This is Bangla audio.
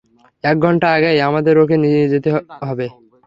এক ঘন্টা আগেই আমাদের ওকে নিচে নিয়ে যেতে হবে।